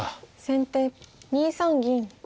先手２三銀。